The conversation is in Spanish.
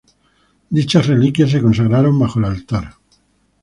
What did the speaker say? Dichas reliquias se consagraron bajo el altar.